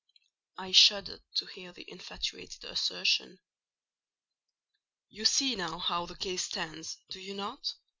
I shuddered to hear the infatuated assertion. "You see now how the case stands—do you not?"